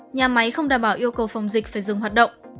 nhà máy không đảm bảo yêu cầu phòng dịch phải dừng hoạt động